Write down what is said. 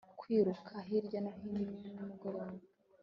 kwiruka hirya no hino nimugoroba